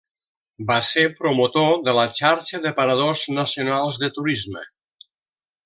Va ser promotor de la xarxa de Paradors Nacionals de Turisme.